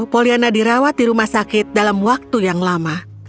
poliana dirawat di rumah sakit dalam waktu yang lama